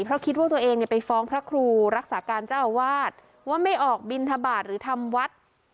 เพราะคิดว่าตัวเองเนี่ยไปฟ้องพระครูรักษาการเจ้าอาวาสว่าไม่ออกบินทบาทหรือทำวัด